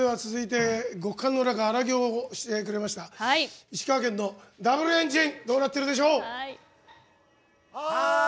続いて、極寒の中荒行をしてくれました石川県のＷエンジンどうなってるでしょう？